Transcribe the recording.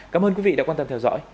cảm ơn quý vị đã quan tâm theo dõi